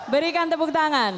berikan tepuk tangan